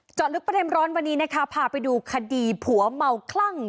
ลึกประเด็นร้อนวันนี้นะคะพาไปดูคดีผัวเมาคลั่ง